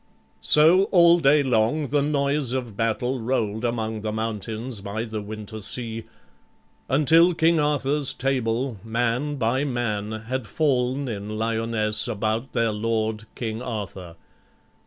So all day long the noise of battle roll'd Among the mountains by the winter sea; Until King Arthur's Table, man by man, Had fall'n in Lyonnesse about their lord, King Arthur.